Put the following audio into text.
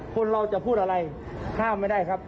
คนเราจะพูดอะไรห้ามไม่ได้ครับ